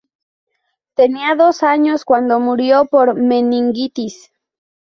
Tenía dos años cuando murió por meningitis.